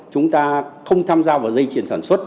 chúng ta không tham gia vào dây chuyển sản xuất